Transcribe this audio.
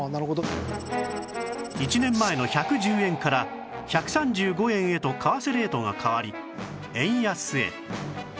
１年前の１１０円から１３５円へと為替レートが変わり円安へ